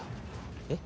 えっ？